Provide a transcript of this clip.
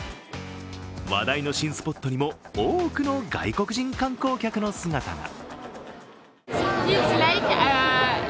話題の新スポットにも多くの外国人観光客の姿が。